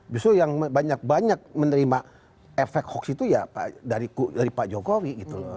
justru yang banyak banyak menerima efek hoax itu ya dari pak jokowi gitu loh